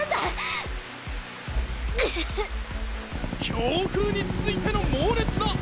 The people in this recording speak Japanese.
強風に続いての猛烈な雨！